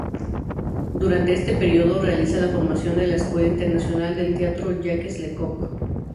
Durante este período realiza la formación de la Escuela Internacional de Teatro Jaques Lecoq.